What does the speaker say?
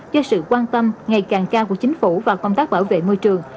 cho sự quan tâm ngày càng cao của chính phủ và công tác bảo vệ môi trường